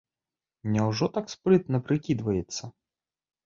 Няўжо так спрытна прыкідваецца?